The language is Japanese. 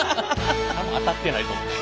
多分当たってないと思います。